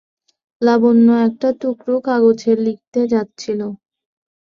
লাবণ্য একটা টুকরো কাগজে লিখতে যাচ্ছিল।